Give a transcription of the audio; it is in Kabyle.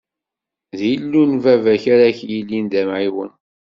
D Illu n baba-k ara k-yilin d Amɛiwen.